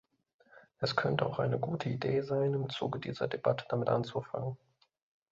Es könnte auch eine gute Idee sein, im Zuge dieser Debatte damit anzufangen.